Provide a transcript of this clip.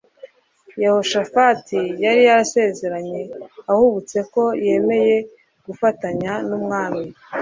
Yehoshafati yari yasezeranye ahubutse ko yemeye gufatanya numwami